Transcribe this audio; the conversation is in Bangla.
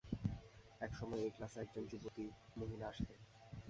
এক সময়ে এই ক্লাসে একজন যুবতী মহিলা আসিতেন।